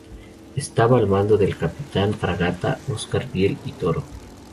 Estaba al mando del capitán de fragata Oscar Viel y Toro.